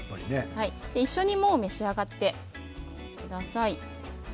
一緒に召し上がってください。